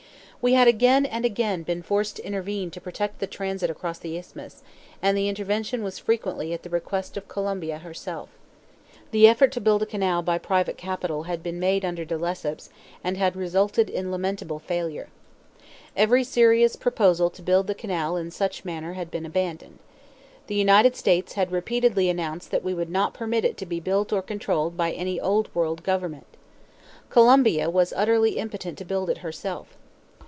We had again and again been forced to intervene to protect the transit across the Isthmus, and the intervention was frequently at the request of Colombia herself. The effort to build a canal by private capital had been made under De Lesseps and had resulted in lamentable failure. Every serious proposal to build the canal in such manner had been abandoned. The United States had repeatedly announced that we would not permit it to be built or controlled by any old world government. Colombia was utterly impotent to build it herself.